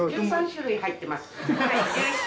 １３種類入ってます。